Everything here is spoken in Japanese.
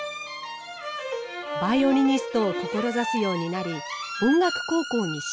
バイオリニストを志すようになり音楽高校に進学。